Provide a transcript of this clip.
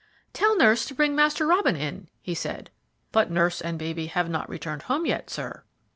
"Tell nurse to bring Master Robin in," he said. "But nurse and baby have not returned home yet, sir."